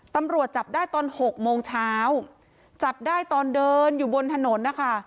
ตำรวจจับได้ตอนหกโมงเช้าจับได้ตอนเดินอยู่บนถนนนะคะ